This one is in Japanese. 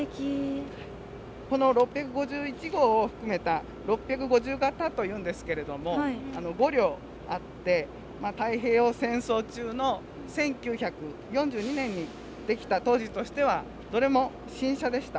この６５１号を含めた６５０形というんですけれども５両あって太平洋戦争中の１９４２年にできた当時としてはどれも新車でした。